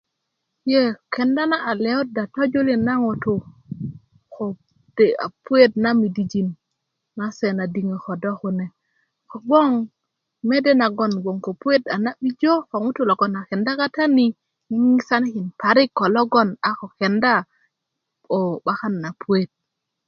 yee kenda na a lewuda tojulin na ŋutu kode' a puwet na midijin na sena diŋö ko do kune kogboŋ mede nagon ko puwet a na 'bijo a ko ŋutuu loŋ a kenda katani ŋiŋisanikin parik ko logon 'bak kenda wo 'bakan na puwet